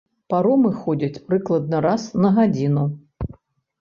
Паромы ходзяць прыкладна раз на гадзіну.